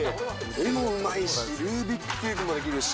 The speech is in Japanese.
絵もうまいし、ルービックキューブもできるし。